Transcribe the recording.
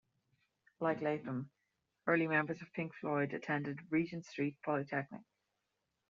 Like Latham, early members of Pink Floyd attended Regent Street Polytechnic.